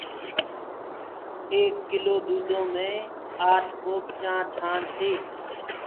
ايڪ ڪلو دودو مي آٺ ڪوپ چآنٚه ٺآن تي